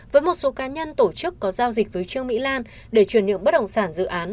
với một số cá nhân tổ chức có giao dịch với trương mỹ lan để truyền nhượng bất động sản dự án